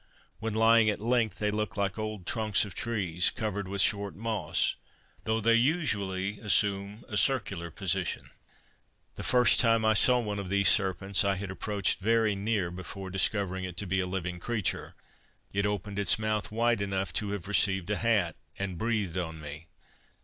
When lying at length, they look like old trunks of trees, covered with short moss, though they usually assume a circular position. The first time I saw one of these serpents, I had approached very near before discovering it to be a living creature; it opened its mouth wide enough to have received a hat, and breathed on me.